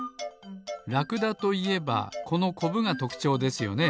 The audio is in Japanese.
ラクダといえばこのコブがとくちょうですよね。